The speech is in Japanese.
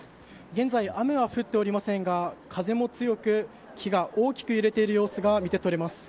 現在、雨は降っておりませんが風も強く、木が大きく揺れている様子が見て取れます。